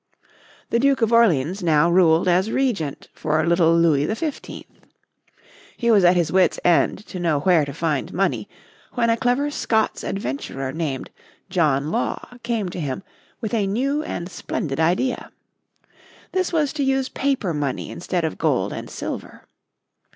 The Duke of Orleans now ruled as Regent for little Louis XV. He was at his wit's end to know where to find money, when a clever Scots adventurer names John Law came to him with a new and splendid idea. this was to use paper money instead of gold and silver.